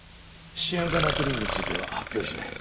シアン化ナトリウムについては発表しない。